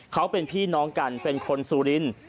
เขาเป็นพี่น้องกันเป็นคนซูรินทร์